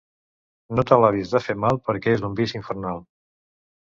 No t'alabis de fer mal perquè és un vici infernal.